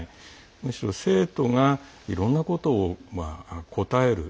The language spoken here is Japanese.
むしろ、生徒がいろんなことを答える。